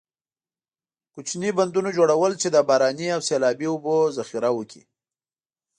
کوچنۍ بندونو جوړول چې د باراني او سیلابي اوبو ذخیره وکړي.